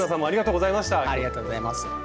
ありがとうございます。